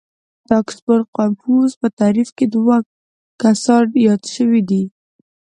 د اکسفورډ قاموس په تعريف کې دوه کسان ياد شوي دي.